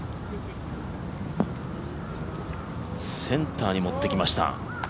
センターに持っていきました。